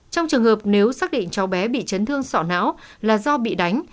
trong trường hợp nếu xác định chó bé bị chấn thương sọ não là do bị đánh